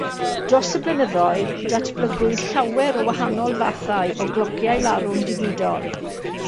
Dros y blynyddoedd, datblygwyd llawer o wahanol fathau o glociau larwm digidol.